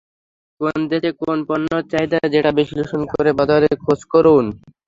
কোন দেশে কোন পণ্যের চাহিদা, সেটা বিশ্লেষণ করে বাজার খোঁজ করুন।